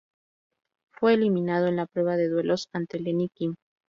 Fue eliminado en la prueba de duelos, ante Lenni-Kim.